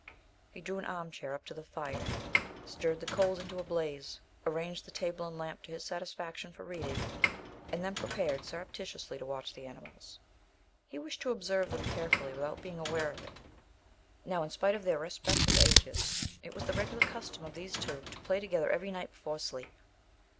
He drew an arm chair up to the fire, stirred the coals into a blaze, arranged the table and lamp to his satisfaction for reading, and then prepared surreptitiously to watch the animals. He wished to observe them carefully without their being aware of it. Now, in spite of their respective ages, it was the regular custom of these two to play together every night before sleep.